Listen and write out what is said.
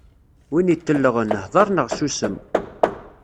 Win itellɣen, hdeṛ neɣ ssusem.